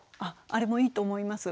あれもいいと思います。